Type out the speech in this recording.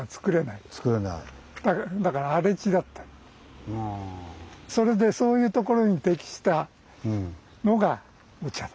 だからそれでそういうところに適したのがお茶。